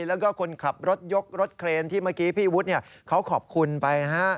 แล้วก็คนขับรถยกรถเครนที่เมื่อกี้พี่วุฒิเขาขอบคุณไปนะฮะ